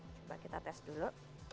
coba kita tes dulu